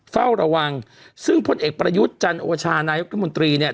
เฝ้าระวังซึ่งพลเอกประยุทธ์จันโอชานายกรัฐมนตรีเนี่ย